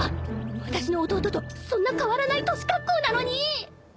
私の弟とそんな変わらない年格好なのに！